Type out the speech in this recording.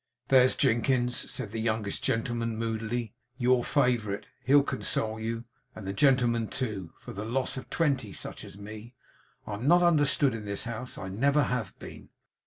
'There's Jinkins,' said the youngest gentleman, moodily. 'Your favourite. He'll console you, and the gentlemen too, for the loss of twenty such as me. I'm not understood in this house. I never have been.